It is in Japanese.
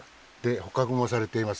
捕獲もされています。